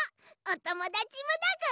おともだちもだぐ！